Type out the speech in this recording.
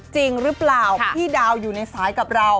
จริงหรือเปล่าพี่ดาวอยู่ในสายกับเรา